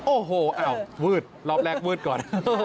โอ้โหอ้าววืดรอบแรกวืดก่อน